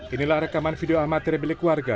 inilah rekaman video amatir milik warga